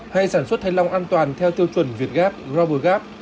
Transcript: hay sản xuất thanh long an toàn theo tiêu chuẩn vietgap robergap